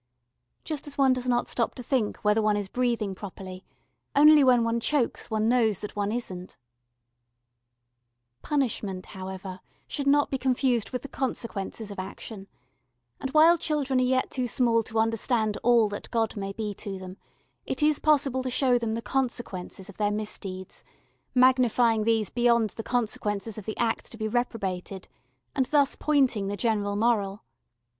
Just as one does not stop to think whether one is breathing properly, only when one chokes one knows that one isn't. [Illustration: ONE HALF OF THE CITY. 72]] Punishment, however, should not be confused with the consequences of action, and while children are yet too small to understand all that God may be to them, it is possible to show them the consequences of their misdeeds, magnifying these beyond the consequences of the act to be reprobated and thus pointing the general moral.